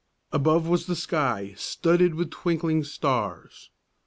Above was the sky, studded with twinkling stars.